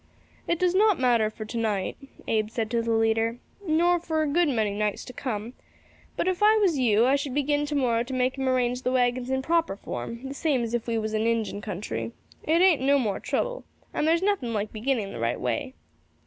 "It does not matter for to night," Abe said to the leader, "nor for a good many nights to come; but if I was you I should begin to morrow to make 'em arrange the waggons in proper form, the same as if we was in the Injin country. It ain't no more trouble, and there's nothing like beginning the right way."